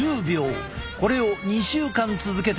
これを２週間続けてもらった。